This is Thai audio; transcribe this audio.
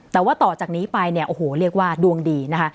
แต่ว่าต่อจากนี้ไปเนี่ยโอ้โหเรียกว่าดวงดีนะคะ